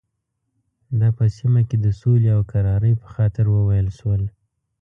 دا په سیمه کې د سولې او کرارۍ په خاطر وویل شول.